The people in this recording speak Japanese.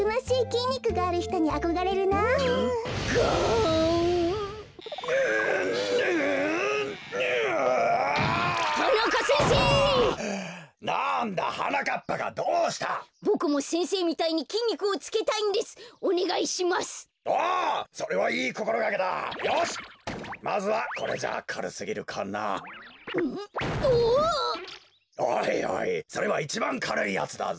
おいおいそれはいちばんかるいやつだぞ。